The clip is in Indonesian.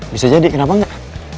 bisa jadi kenapa enggak